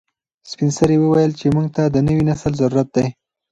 سپین سرې وویل چې موږ ته د نوي نسل ضرورت دی.